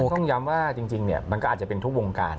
ต้องย้ำว่าจริงมันก็อาจจะเป็นทุกวงการ